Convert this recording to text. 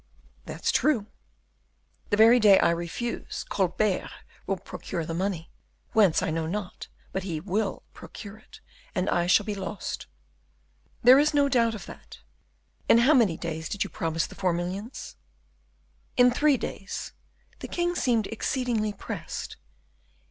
_" "That's true." "The very day I refuse, Colbert will procure the money; whence I know not, but he will procure it: and I shall be lost." "There is no doubt of that. In how many days did you promise the four millions?" "In three days. The king seemed exceedingly pressed."